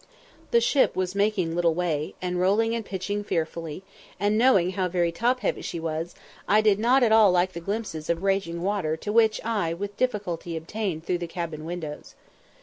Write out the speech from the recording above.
The ship was making little way, and rolling and pitching fearfully, and, knowing how very top heavy she was, I did not at all like the glimpses of raging water which I with difficulty obtained through the cabin windows.